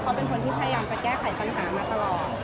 เขาเป็นคนที่พยายามจะแก้ไขปัญหามาตลอด